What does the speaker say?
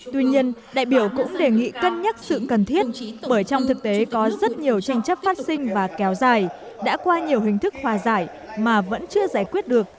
tuy nhiên đại biểu cũng đề nghị cân nhắc sự cần thiết bởi trong thực tế có rất nhiều tranh chấp phát sinh và kéo dài đã qua nhiều hình thức hòa giải mà vẫn chưa giải quyết được